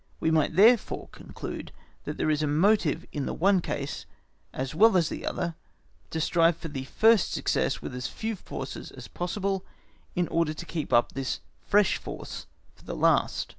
We might therefore conclude that there is a motive in the one case as well as the other to strive for the first success with as few forces as possible, in order to keep up this fresh force for the last.